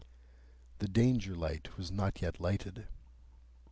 The Danger light was not yet lighted.